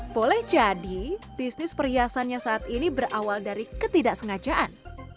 boleh jadi bisnis perhiasannya saat ini berawal dari ketidaksengajaan